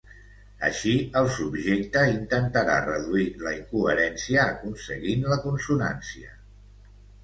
Així el subjecte intentarà reduir la incoherència aconseguint la consonància.